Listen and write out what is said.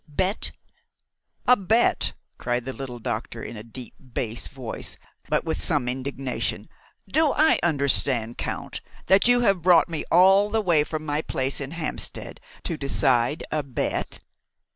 bet?" "A bet!" cried the little doctor in a deep bass voice, but with some indignation. "Do I understand, Count, that you have brought me all the way from my place in Hampstead to decide a bet?"